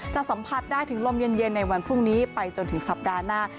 สัมผัสได้ถึงลมเย็นในวันพรุ่งนี้ไปจนถึงสัปดาห์หน้า